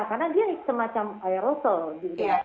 karena dia semacam aerosol